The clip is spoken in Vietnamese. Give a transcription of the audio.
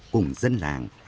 cùng dân làng